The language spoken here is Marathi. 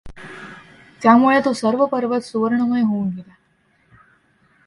त्यामुळे तो सर्व पर्वत सुवर्णमय होऊन गेला.